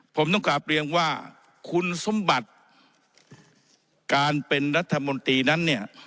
ผมต้องกลับเรียนว่าคุณสมบัติการเป็นรัฐมนตรีนั้นเนี่ย